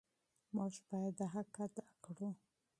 موږ باید دا حق ادا کړو.